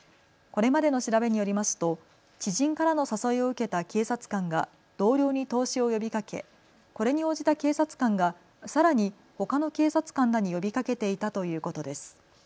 これまでの調べによりますと知人からの誘いを受けた警察官が同僚に投資を呼びかけ、これに応じた警察官がさらにほかの警察官らに呼びかけていたということです。